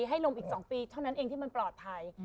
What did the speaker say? ให้ลงอีก๒ปีเท่านั้นเองที่มันปลอดภัย